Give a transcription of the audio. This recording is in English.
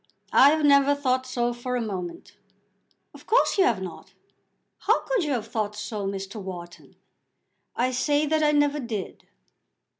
"I have never thought so for a moment." "Of course you have not. How could you have thought so, Mr. Wharton?" "I say that I never did."